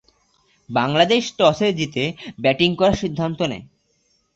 বাংলাদেশ টসে জিতে ব্যাটিং করার সিদ্ধান্ত নেয়।